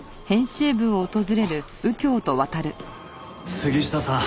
杉下さん